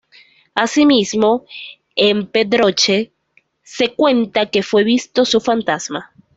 Asimismo, en Pedroche se cuenta que fue visto su fantasma.